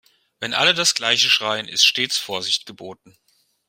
Wenn alle das gleiche schreien, ist stets Vorsicht geboten.